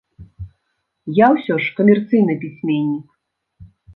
Я ўсё ж камерцыйны пісьменнік.